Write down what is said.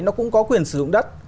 nó cũng có quyền sử dụng đất